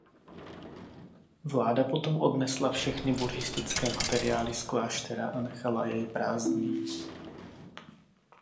Vláda potom odnesla všechny buddhistické materiály z kláštera a nechala jej prázdný.